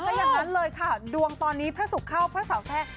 ถ้าอย่างนั้นเลยค่ะดวงตอนนี้พระศุกร์เข้าพระสาวแทรก